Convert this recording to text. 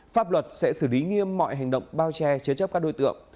pháp luật sẽ xử lý nghiêm mọi hành động bao che chế chấp các đối tượng